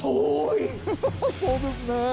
そうですね。